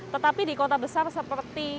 tetapi di kota besar seperti